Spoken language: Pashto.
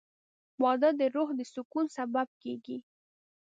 • واده د روح د سکون سبب کېږي.